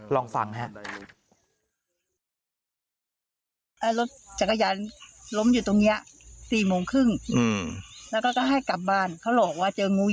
ลองฟังฮะ